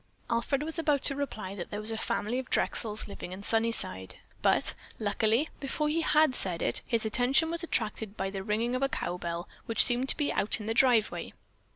Alfred was about to reply that there was a family of Drexels living in Sunnyside, but, luckily, before he had said it, his attention was attracted by the ringing of a cow bell which seemed to be out in the driveway.